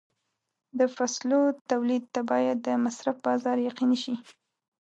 د فصلو تولید ته باید د مصرف بازار یقیني شي.